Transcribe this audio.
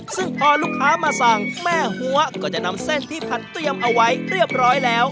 ซึ่งพอลูกค้ามาสั่งแม่หัวก็จะนำเส้นที่ผัดเตรียมเอาไว้เรียบร้อยแล้ว